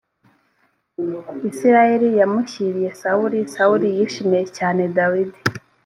isirayeli yamushyiriye sawuli sawuli yishimiye cyane dawidi